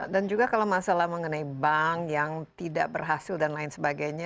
dan juga kalau masalah mengenai bank yang tidak berhasil dan lain sebagainya